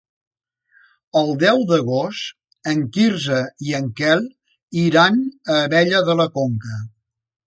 El deu d'agost en Quirze i en Quel iran a Abella de la Conca.